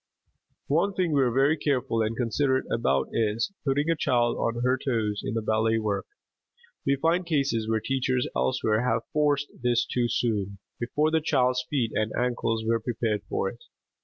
One thing we are very careful and considerate about is, putting a child on her toes in the ballet work. We find cases where teachers elsewhere have forced this too soon, before the child's feet and ankles were prepared for it.